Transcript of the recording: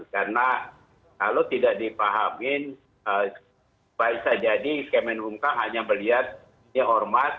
karena kalau tidak dipahami bisa jadi kemenkumham hanya melihat yang ormas